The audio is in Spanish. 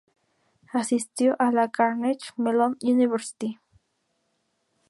Asistió a la Carnegie Mellon University.